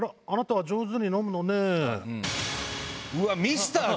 あなたは上手に飲むのね。